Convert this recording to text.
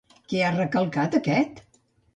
Què ha recalcat aquest?